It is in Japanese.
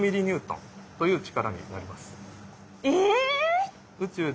え！